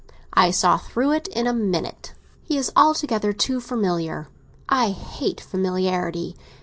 I saw through it in a minute. He is altogether too familiar—I hate familiarity.